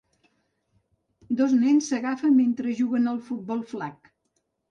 Dos nens s'agafen mentre juguen a futbol flag.